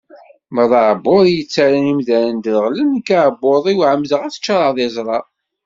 Ma d aɛebbuḍ i yettarran imdanen dreɣlen, nekk aɛebbuḍ-iw ɛemdeɣ ad t-ččareɣ d iẓra.